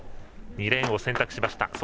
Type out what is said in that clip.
２レーンを選択しました。